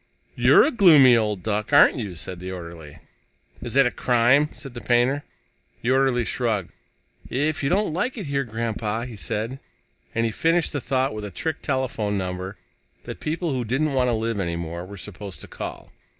"You're a gloomy old duck, aren't you?" said the orderly. "Is that a crime?" said the painter. The orderly shrugged. "If you don't like it here, Grandpa " he said, and he finished the thought with the trick telephone number that people who didn't want to live any more were supposed to call.